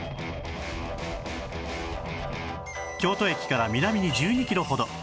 京都駅から南に１２キロほど